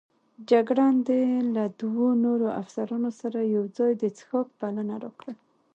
جګړن د له دوو نورو افسرانو سره یوځای د څښاک بلنه راکړه.